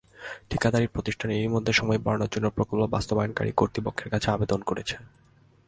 ঠিকাদারি প্রতিষ্ঠান এরই মধ্যে সময় বাড়ানোর জন্য প্রকল্প বাস্তবায়নকারী কর্তৃপক্ষের কাছে আবেদন করেছে।